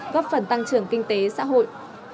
góp phần tăng trưởng kinh tế xã hội